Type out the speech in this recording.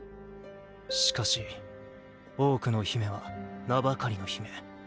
しかし多くの姫は名ばかりの姫。